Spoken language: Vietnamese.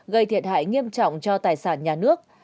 gây thiệt hại nghiêm trọng cho tài sản nhà nước